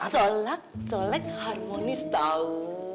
colak colak harmonis tau